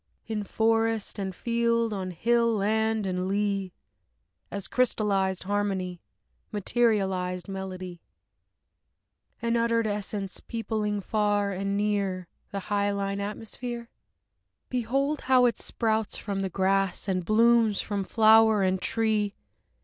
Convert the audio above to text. In forest and field, on hill land and lea, As crystallized harmony, Materialized melody, An uttered essence peopling far and near The hyaline atmosphere?... Behold how it sprouts from the grass and blooms from flower and tree!